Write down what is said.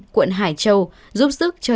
quận hải châu giúp sức cho